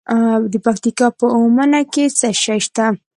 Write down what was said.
د پکتیکا په اومنه کې څه شی شته؟